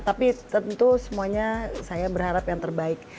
tapi tentu semuanya saya berharap yang terbaik